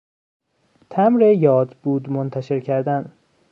تمبر یاد بود منتشر کردن